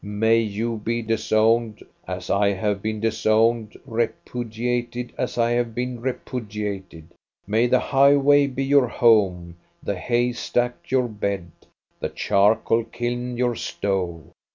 May you be disowned, as I have been disowned, repudiated as I have been repu diated ! May the highway be your home, the hay stack your bed, the charcoal kiln your stove